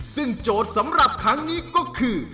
ซึ่งโจทย์สำหรับครั้งนี้ก็คือ